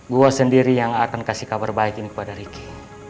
gue sendiri yang akan kasih kabar baik ini kepada ricky